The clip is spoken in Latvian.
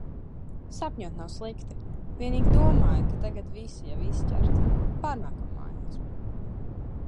Sapņot nav slikti. Vienīgi domāju, ka tagad visi jau izķerti. Pārnākam mājas.